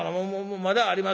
まだあります